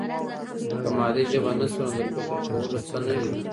که مادي ژبه نسته، نو د فکر کولو څه نه وي.